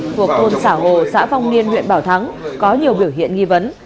thuộc thôn xã hồ xã phòng liên huyện bảo thắng có nhiều biểu hiện nghi vấn